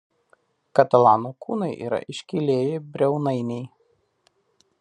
Katalano kūnai yra iškilieji briaunainiai.